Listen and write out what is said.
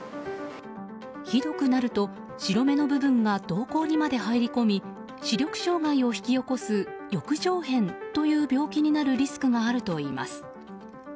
ひどくなると白目の部分が瞳孔にまで入り込み視力障害を引き起こす翼状片という病気になるリスクがあるといいます。